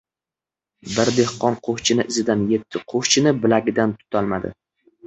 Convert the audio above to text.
Bir dehqon qo‘shchini izidan yetdi. Qo‘shchini bilagidan tutamladi.